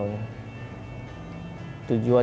tujuan kita kesini latihan